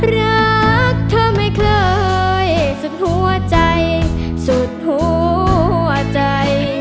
รักเธอไม่เคยสุดหัวใจสุดหัวใจ